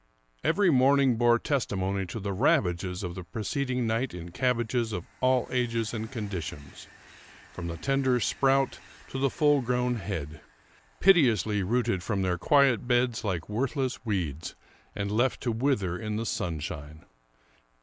Every morning bore testimony to the ravages of the pre ceding night in cabbages of all ages and conditions, from the tender sprout to the full grown head, piteously rooted from their quiet beds like worthless weeds, and left to wither in the sunshine.